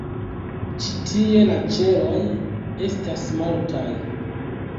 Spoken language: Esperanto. Ĉi-tie la ĉeloj estas mortaj.